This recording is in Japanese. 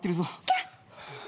キャッ！